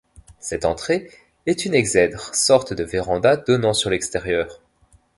Cette entrée est une exèdre, sorte de véranda donnant sur l’extérieur.